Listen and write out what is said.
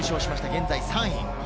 現在３位。